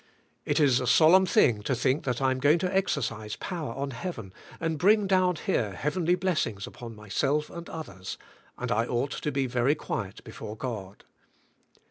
It is a solemn thing to think that I am going to ex ercise power on heaven and bring down here heav enly blessings upon myself and others, and I ought to be very quiet before God.